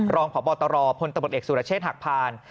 รองพบตรพลตำรวจเอกสุรเชษฐ์หักพาน